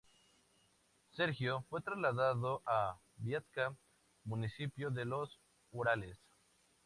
Sergio fue trasladado a Viatka, municipio de los Urales.